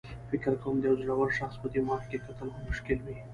فکر کوم د یو زړور شخص په دماغ کې کتل به مشکل وي.